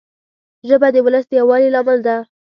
ژبه د ولس د یووالي لامل ده